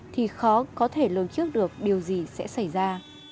thì khó có thể lường trước được điều gì sẽ xảy ra